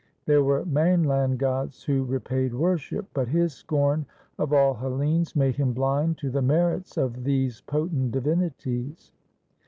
There were mainland gods who repaid worship, but his scorn of all Hellenes made him blind to the merits of these potent divinities.